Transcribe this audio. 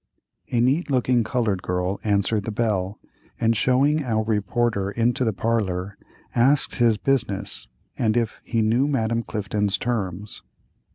A neat looking colored girl answered the bell, and, showing our reporter into the parlor, asked his business, and if he "knew Madame Clifton's terms?"